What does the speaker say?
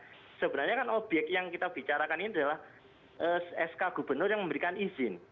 sebenarnya kan obyek yang kita bicarakan ini adalah sk gubernur yang memberikan izin